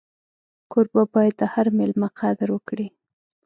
کوربه باید د هر مېلمه قدر وکړي.